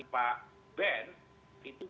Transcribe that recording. pak ben itu